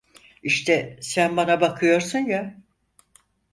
İşte sen bana bakıyorsun ya!